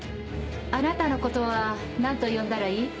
あなたのことは何と呼んだらいい？